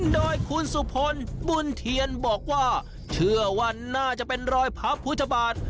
โดยคุณสุพลบุญเทียนบอกว่าเชื่อว่าน่าจะเป็นรอยพระพุทธบาท